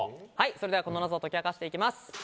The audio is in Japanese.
それではこの謎を解き明かしていきます。